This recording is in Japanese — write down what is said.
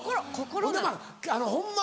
ほんでまぁホンマ